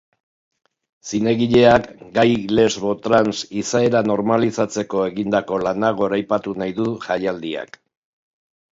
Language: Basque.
Zinegileak gay-lesbo-trans izaera normalizatzeko egindako lana goraipatu nahi du jaialdiak.